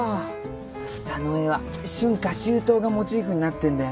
ふたの絵は春夏秋冬がモチーフになってんだよね。